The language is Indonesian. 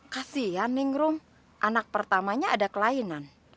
kasih ya ningrum anak pertamanya ada kelainan